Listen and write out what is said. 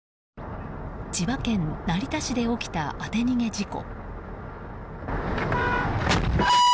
千葉県成田市で起きた当て逃げ事故。